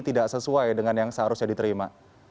tidak sesuai dengan yang seharusnya diterima